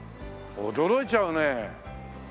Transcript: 驚いちゃうね。